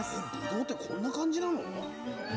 ぶどうってこんな感じなの？